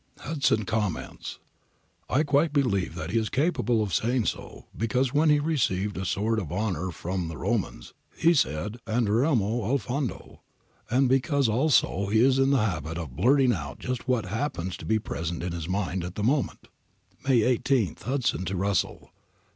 Hudson comments: * I quite believe that he is capable of saying so, because when he received a sword of honour from the Romans, he said 305 20 3o6 APPENDIX A ^* arideremo a/ /otido," and because also he is in the habit of blurting out just what happens to be present to his mind at the moment.' May 1 8. Hudson to Russell.